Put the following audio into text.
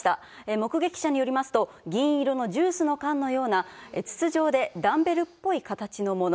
目撃者によりますと、銀色のジュースの缶のような筒状でダンベルっぽい形のもの。